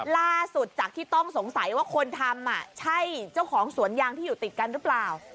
ล่าสุดจากที่ต้องสงสัยว่าคนทำใช่เจ้าของสวนยางที่อยู่ติดกันหรือเปล่า